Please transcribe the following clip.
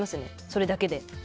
それだけで。